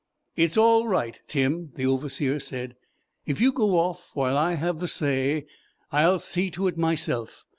"It's all right, Tim," the Overseer said. "If you go off while I have the say, I'll see to it myself.